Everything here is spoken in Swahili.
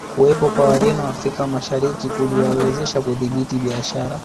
Kuwepo kwa Wareno Afrika Mashariki kuliwawezesha kudhibiti biashara